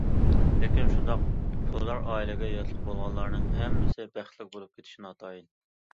لېكىن شۇنداق پۇلدار ئائىلىگە ياتلىق بولغانلارنىڭ ھەممىسى بەختلىك بولۇپ كېتىشى ناتايىن.